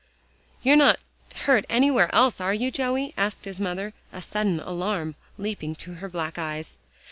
"You're not hurt anywhere else, are you, Joey?" asked his mother, a sudden alarm leaping to her black eyes.